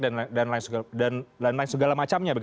dan lain segala macamnya